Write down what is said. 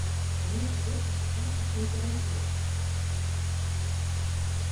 Чаму цяпер так скача тэмпература?